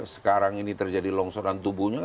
sekarang ini terjadi longsoran tubuhnya